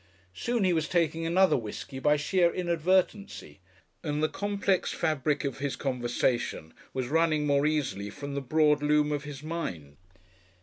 Soon he was taking another whiskey by sheer inadvertency, and the complex fabric of his conversation was running more easily from the broad loom of his mind.